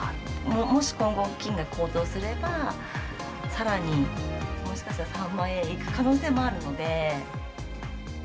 もし今後、金が高騰すれば、さらにもしかしたら、３万円いく可能性もあるので。